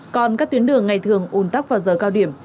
còn các tuyến đường ngày thường ùn tắc vào giờ cao điểm